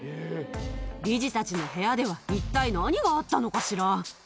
理事たちの部屋では一体、何があったのかしら？